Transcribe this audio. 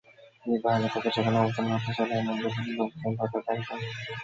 কিন্তু আগে থেকে সেখানে অবস্থানরত সোলায়মান গ্রুপের লোকজন তাদের বাধা দেয়।